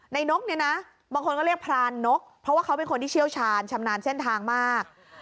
นกเนี่ยนะบางคนก็เรียกพรานนกเพราะว่าเขาเป็นคนที่เชี่ยวชาญชำนาญเส้นทางมาก